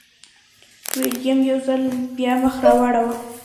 ویلیم یو ځل بیا مخ راواړوه.